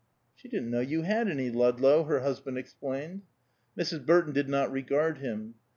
"She didn't know you had any, Ludlow," her husband explained. Mrs. Burton did not regard him.